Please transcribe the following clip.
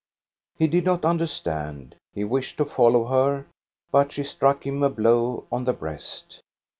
He did not understand. He wished to follow her, but she struck him a blow on the breast.